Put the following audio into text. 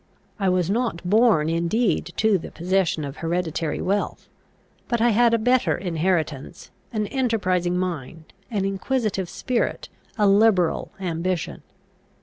I was not born indeed to the possession of hereditary wealth; but I had a better inheritance, an enterprising mind, an inquisitive spirit, a liberal ambition.